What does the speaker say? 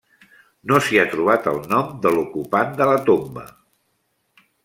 No s'hi ha trobat el nom de l'ocupant de la tomba.